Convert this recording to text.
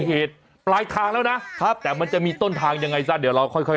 เหตุปลายทางแล้วนะครับแต่มันจะมีต้นทางยังไงซะเดี๋ยวเราค่อยค่อย